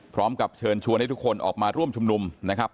พร้อมกับเชิญชวนให้ทุกคนออกมาร่วมชุมนุมนะครับ